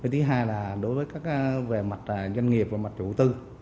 thứ hai là đối với các về mặt doanh nghiệp về mặt chủ tư